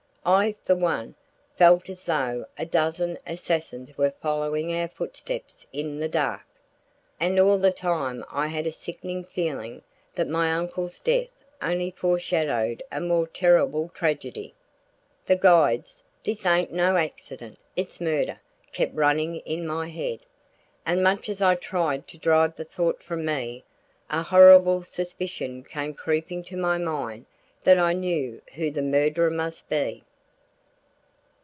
I, for one, felt as though a dozen assassins were following our footsteps in the dark. And all the time I had a sickening feeling that my uncle's death only foreshadowed a more terrible tragedy. The guide's: "This ain't no accident; it's murder," kept running in my head, and much as I tried to drive the thought from me, a horrible suspicion came creeping to my mind that I knew who the murderer must be.